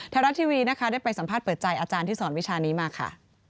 ไทยรัฐทีวีนะคะได้ไปสัมภาษณ์เปิดใจอาจารย์ที่สอนวิชานี้มาค่ะ